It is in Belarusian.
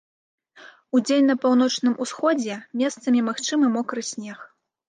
Удзень на паўночным усходзе месцамі магчымы мокры снег.